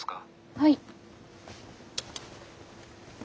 はい。